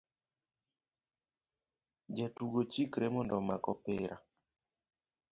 Jatugo chikre mondo omak opira